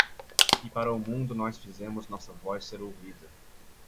E para o mundo nós fizemos nossa voz ser ouvida